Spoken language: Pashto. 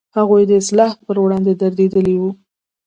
هغوی د اصلاح پر وړاندې درېدلي و.